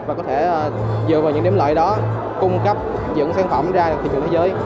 và có thể dựa vào những điểm lợi đó cung cấp những sản phẩm ra thị trường thế giới